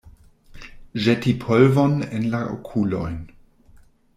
Ĵeti polvon en la okulojn.